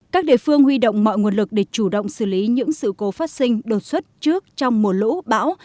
các địa phương huy động mọi nguồn lực để chủ động xử lý những sự cố phát sinh đột xuất trước trong mùa lũ bão